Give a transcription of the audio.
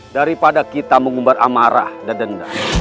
daripada kita mengumbar amarah dan denda